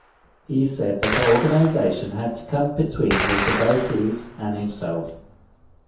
He said that the organization had come between his devotees and himself.